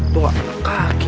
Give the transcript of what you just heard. tuh gak ada kaki